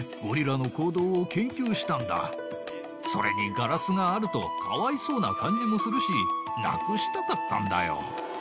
それにガラスがあるとかわいそうな感じもするしなくしたかったんだよ。